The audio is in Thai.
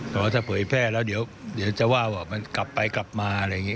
เพราะว่าถ้าเผยแพร่แล้วเดียวจะว่าว่ามันกลับไปกลับมา